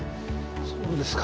そうですか。